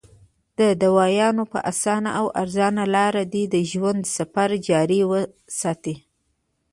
د دوايانو پۀ اسانه او ارزانه لار دې د ژوند سفر جاري ساتي -